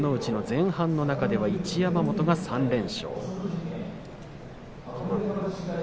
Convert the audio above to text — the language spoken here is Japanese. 前半の中では一山本が３連勝。